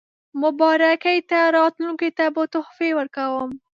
مبارکۍ ته راتلونکو ته به تحفې ورکړم.